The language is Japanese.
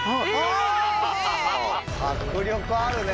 ・迫力あるね。